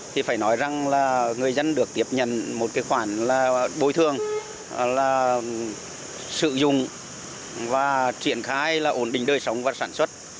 thì phải nói rằng là người dân được tiếp nhận một khoản bồi thường sử dụng và triển khai ổn định đời sống và sản xuất